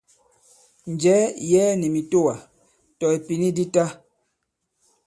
Njɛ̀ɛ ì yɛɛ nì mìtoà, tɔ̀ ìpìni di ta.